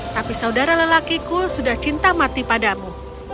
tapi saudara lelakiku sudah cinta mati padamu